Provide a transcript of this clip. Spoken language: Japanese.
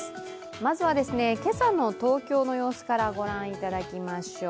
まずは今朝の東京の様子から御覧いただきましょう。